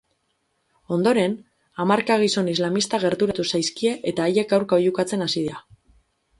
Ondoren hamarka gizon islamista gerturatu zaizkie eta haiek aurka oihukatzen hasi dira.